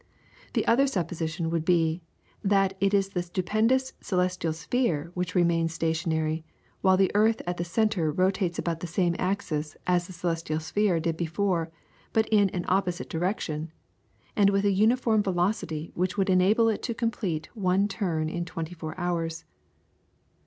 The other supposition would be, that it is the stupendous celestial sphere which remains stationary, while the earth at the centre rotates about the same axis as the celestial sphere did before, but in an opposite direction, and with a uniform velocity which would enable it to complete one turn in twenty four hours.